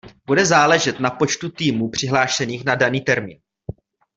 Bude záležet na počtu týmů přihlášených na daný termín.